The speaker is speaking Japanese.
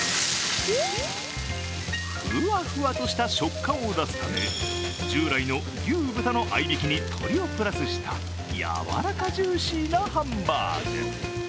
ふわふわとした食感を出すため従来の牛豚の合いびき肉に鶏をプラスした柔らかジューシーなハンバーグ。